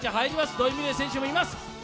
土井レミイ選手もいます。